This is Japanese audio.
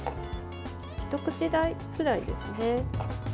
一口大くらいですね。